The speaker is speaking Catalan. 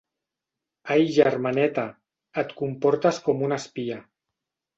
Ai germaneta, et comportes com una espia.